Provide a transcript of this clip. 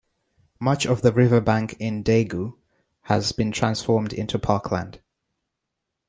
Much of the riverbank in Daegu has been transformed into parkland.